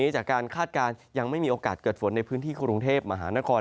คาดการณ์ยังไม่มีโอกาสเกิดฝนในพื้นที่กรุงเทพมหานคร